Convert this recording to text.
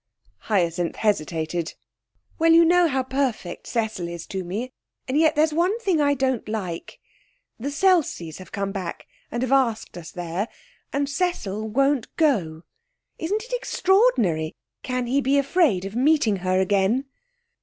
Hyacinth hesitated. 'Well, you know how perfect Cecil is to me, and yet there's one thing I don't like. The Selseys have come back, and have asked us there, and Cecil won't go. Isn't it extraordinary? Can he be afraid of meeting her again?'